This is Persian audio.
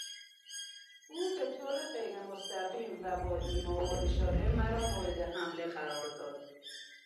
او به طور غیرمستقیم و با ایما و اشاره مرا مورد حمله قرار داد.